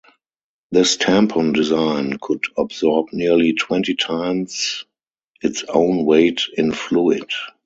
This tampon design could absorb nearly twenty times its own weight in fluid.